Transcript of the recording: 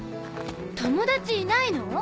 友達いないの？